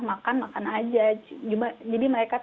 makan makan aja jadi mereka